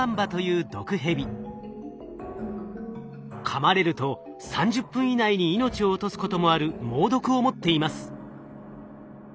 かまれると３０分以内に命を落とすこともある猛毒を持っています。